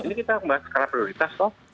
ini kita membahas skala prioritas oh